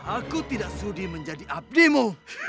aku tidak sudi menjadi abdimu